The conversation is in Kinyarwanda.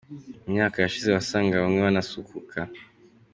Mu myaka yashize wasangaga bamwe banasuhuka.